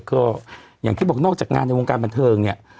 ก็อย่างที่บอกนอกจากงานในวงการบันเทิงเนี่ย